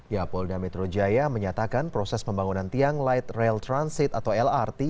ya polda metro jaya menyatakan proses pembangunan tiang light rail transit atau lrt